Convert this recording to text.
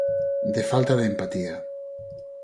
De falta de empatía.